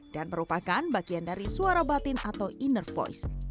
dan merupakan bagian dari suara batin atau inner voice